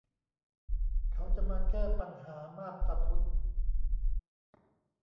เขาจะมาแก้ปัญหามาบตาพุด